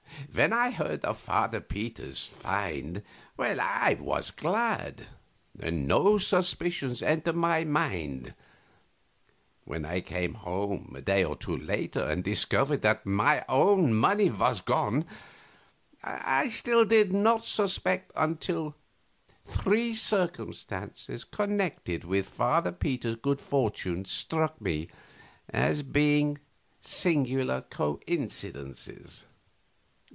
When I heard of Father Peter's find I was glad, and no suspicions entered my mind; when I came home a day or two later and discovered that my own money was gone I still did not suspect until three circumstances connected with Father Peter's good fortune struck me as being singular coincidences.